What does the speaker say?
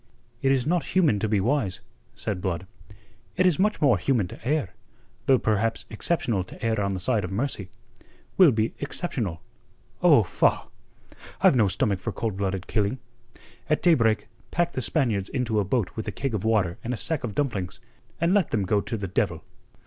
"It is not human to be wise," said Blood. "It is much more human to err, though perhaps exceptional to err on the side of mercy. We'll be exceptional. Oh, faugh! I've no stomach for cold blooded killing. At daybreak pack the Spaniards into a boat with a keg of water and a sack of dumplings, and let them go to the devil."